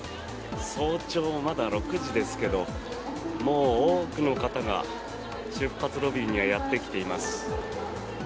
早朝まだ６時ですけどもう多くの方が出発ロビーにはやってきています。